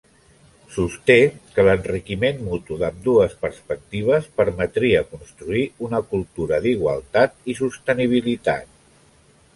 Sosté que l'enriquiment mutu d'ambdues perspectives permetria construir una cultura d'igualtat i sostenibilitat.